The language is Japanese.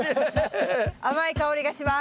甘い香りがします。